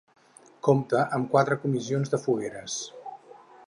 Compta amb quatre comissions de fogueres.